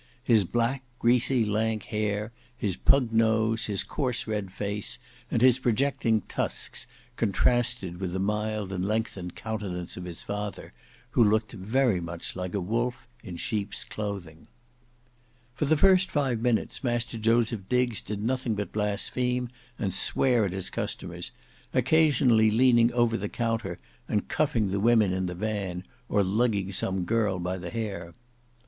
His black, greasy lank hair, his pug nose, his coarse red face, and his projecting tusks, contrasted with the mild and lengthened countenance of his father, who looked very much like a wolf in sheep's clothing. For the first five minutes Master Joseph Diggs did nothing but blaspheme and swear at his customers, occasionally leaning over the counter and cuffing the women in the van or lugging some girl by the hair.